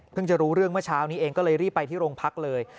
จะรู้เรื่องเมื่อเช้านี้เองก็เลยรีบไปที่โรงพักเลย